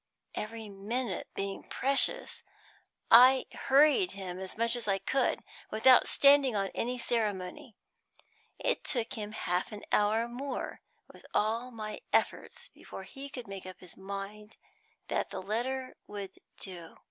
Every minute being precious, I hurried him as much as I could, without standing on any ceremony. It took half an hour more, with all my efforts, before he could make up his mind that the letter would do.